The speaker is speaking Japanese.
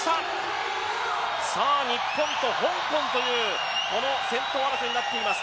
日本と香港という先頭争いになっています。